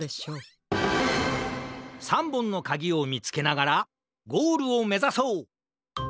３ぼんのかぎをみつけながらゴールをめざそう！